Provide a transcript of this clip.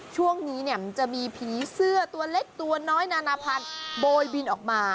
ช่วงนี้เนี่ยมันจะมีผีเสื้อตัวเล็กตัวน้อยนานาพันธุ์โบยบินออกมา